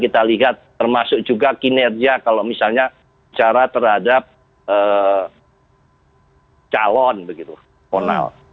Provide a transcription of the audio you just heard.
kita lihat termasuk juga kinerja kalau misalnya cara terhadap calon